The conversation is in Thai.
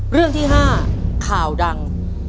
เรื่องที่๕ข่าวดัง